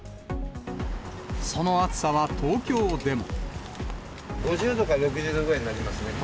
その暑さは東京でも。